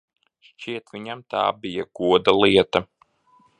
Šķiet, viņam tā bija goda lieta.